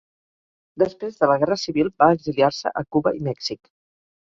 Després de la Guerra Civil va exiliar-se a Cuba i Mèxic.